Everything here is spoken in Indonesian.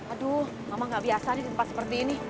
aduh mama gak biasa nih di tempat seperti ini